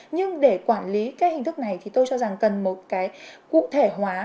nhưng để quản lý cái hình thức này thì tôi cho rằng cần một cái cụ thể hóa